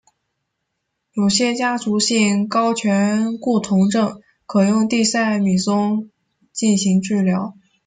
有些家族性高醛固酮症可用地塞米松进行治疗。